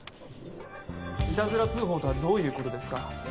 いたずら通報とはどういうことですか？